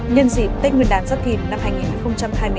nhân dịp tết nguyên đàn giác kỳ năm hai nghìn hai mươi bốn